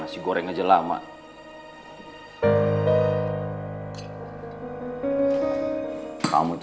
ntar kita ke rumah sakit